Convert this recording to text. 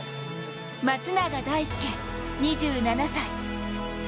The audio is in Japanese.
松永大介、２７歳。